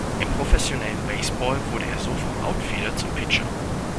Im professionellen Baseball wurde er so vom Outfielder zum Pitcher.